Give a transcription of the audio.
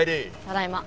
ただいま。